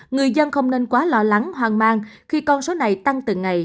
người dân không nên quá lo lắng hoang mang khi con số này tăng từng ngày